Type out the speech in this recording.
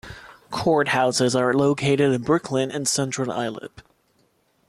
Courthouses are located in Brooklyn and Central Islip.